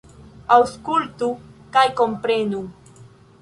Aŭskultu kaj komprenu!